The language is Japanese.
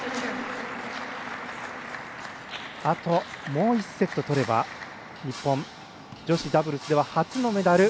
あともう１セット取れば日本女子ダブルスでは初のメダル。